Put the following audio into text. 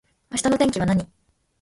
明日の天気は何